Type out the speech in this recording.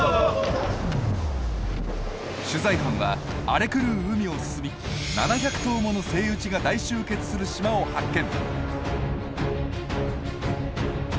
取材班は荒れ狂う海を進み７００頭ものセイウチが大集結する島を発見。